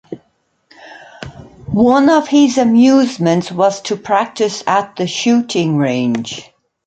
One of his amusements was to practice at the shooting-range.